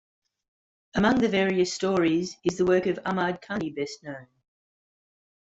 Among the various stories is the work of Ahmad Khani best known.